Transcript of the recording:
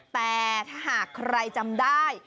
แต่ถ้าหากใครจำได้